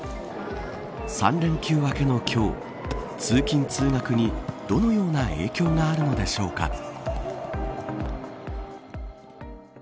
３連休明けの今日通勤、通学にどのような影響があるのでしょうか。